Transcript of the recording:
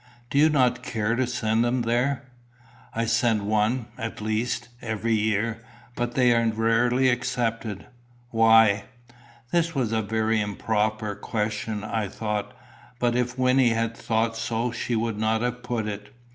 "Do you not care to send them there?" "I send one, at least, every year. But they are rarely accepted." "Why?" This was a very improper question, I thought; but if Wynnie had thought so she would not have put it.